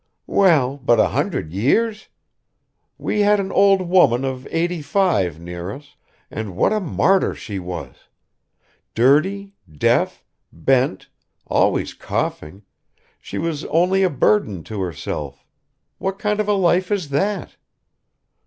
"Well, but a hundred years! We had an old woman of eighty five near us and what a martyr she was! Dirty, deaf, bent, always coughing, she was only a burden to herself. What kind of a life is that?"